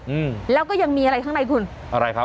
อืมแล้วก็ยังมีอะไรข้างในคุณอะไรครับ